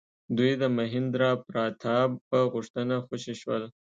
دوی د مهیندرا پراتاپ په غوښتنه خوشي شول.